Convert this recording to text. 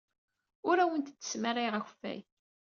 Ur awent-d-smarayeɣ akeffay.